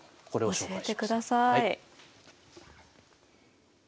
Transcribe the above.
教えてください。